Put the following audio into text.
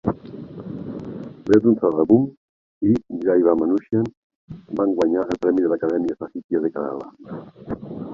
"Veedum Thadavum" i "Jaivamanushyan" van guanyar el Premi de l'Acadèmia Sahithya de Kerala.